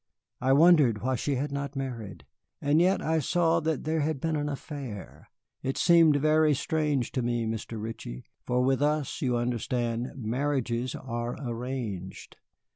I wondered why she had not married. And yet I saw that there had been an affair. It seemed very strange to me, Mr. Ritchie, for with us, you understand, marriages are arranged.